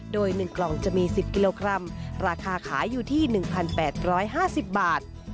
โดย๑กล่องจะมี๑๐กิโลกรัมราคาขายอยู่ที่๑๘๕๐บาท